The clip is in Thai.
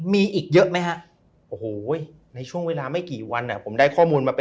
ไม่เกินหัวใจนะครับ